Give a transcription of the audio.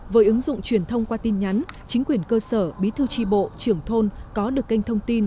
với ứng dụng truyền thông qua tin nhắn chính quyền cơ sở bí thư tri bộ trưởng thôn có được kênh thông tin